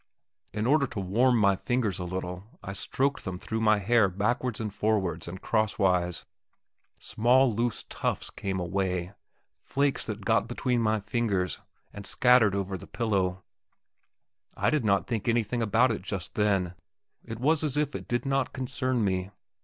In order to warm my fingers a little I stroked them through my hair backwards and forwards and crosswise. Small loose tufts came away, flakes that got between my fingers, and scattered over the pillow. I did not think anything about it just then; it was as if it did not concern me.